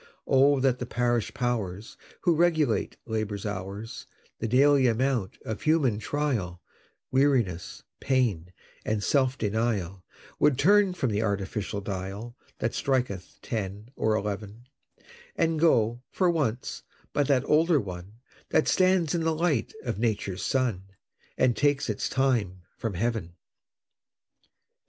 Oh that the Parish Powers, Who regulate Labor's hours, The daily amount of human trial, Weariness, pain, and self denial, Would turn from the artificial dial That striketh ten or eleven, And go, for once, by that older one That stands in the light of Nature's sun, And takes its time from Heaven!